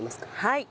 はい。